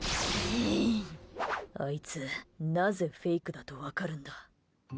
あいつ、なぜフェイクだと分かるんだ。